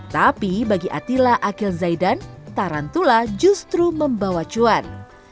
tapi bagi atilla akhil zaidan tarantula justru membawa cuan